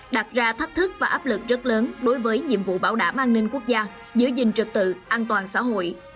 đặt ra thách thức và áp lực rất lớn đối với nhiệm vụ bảo đảm an ninh quốc gia giữ gìn trực tự an toàn xã hội